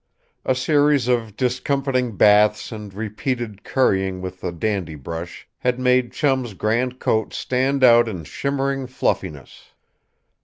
A series of discomfiting baths and repeated currying with the dandy brush had made Chum's grand coat stand out in shimmering fluffiness.